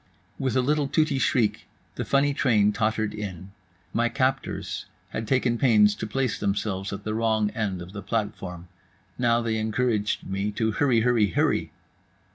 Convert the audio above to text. With a little tooty shriek the funny train tottered in. My captors had taken pains to place themselves at the wrong end of the platform. Now they encouraged me to HurryHurryHurry.